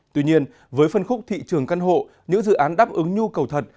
tuy nhiên với phân khúc thị trường căn hộ những dự án đáp ứng nhu cầu thật